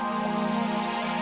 ya allah ya allah